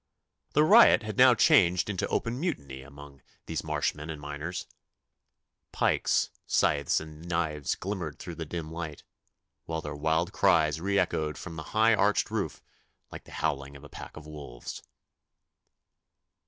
The riot had now changed into open mutiny among these marshmen and miners. Pikes, scythes, and knives glimmered through the dim light, while their wild cries re echoed from the high arched roof like the howling of a pack of wolves.